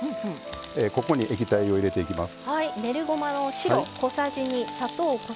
ここに液体を入れていきます。